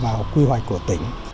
vào quy hoạch của tỉnh